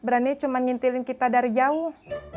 ah berani cuman ngintilin kita dari jauh